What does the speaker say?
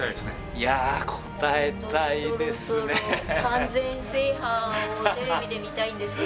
いや応えたいですね